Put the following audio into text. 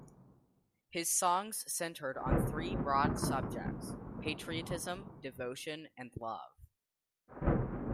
His songs centred on three broad subjects - patriotism, devotion and love.